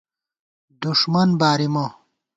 دُݭمن بارِمہ